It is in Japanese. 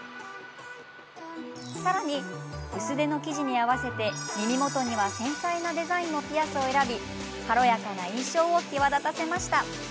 さらに、薄手の生地に合わせて耳元には繊細なデザインのピアスを選び軽やかな印象を際立たせました。